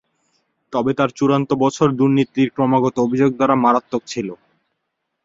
তবে, তার চূড়ান্ত বছর দুর্নীতির ক্রমাগত অভিযোগ দ্বারা মারাত্মক ছিল।